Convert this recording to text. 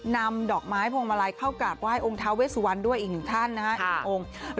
นำดอกไม้พวงมาลัยเข้ากากไหว้องค์เท้าเวสสุวรรณด้วยอีกหนึ่งท่านนะครับ